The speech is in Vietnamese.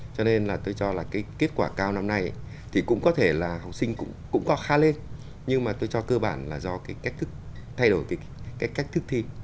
cho nên là tôi cho là cái kết quả cao năm nay thì cũng có thể là học sinh cũng có khá lên nhưng mà tôi cho cơ bản là do cái cách thức thay đổi cái cách thức thi